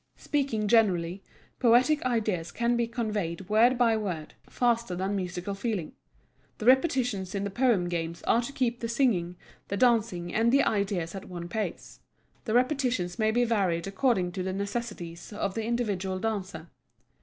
Speaking generally, poetic ideas can be conveyed word by word, faster than musical feeling. The repetitions in the Poem Games are to keep the singing, the dancing and the ideas at one pace. The repetitions may be varied according to the necessities of the individual dancer.